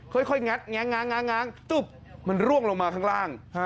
ค่อยงัดแง้งมันร่วงลงมาข้างล่าง